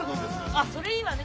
あっそれいいわね。